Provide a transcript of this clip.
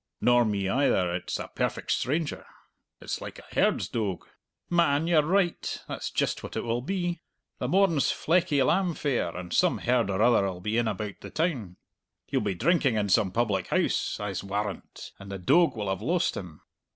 "Nor me either. It's a perfect stranger!" "It's like a herd's doag!" "Man, you're right! That's just what it will be. The morn's Fleckie lamb fair, and some herd or other'll be in about the town." "He'll be drinking in some public house, I'se warrant, and the doag will have lost him."